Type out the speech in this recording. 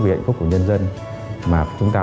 vì hạnh phúc của nhân dân mà chúng ta